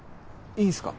いいんすか？